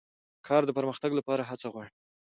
کار د پرمختګ لپاره هڅه غواړي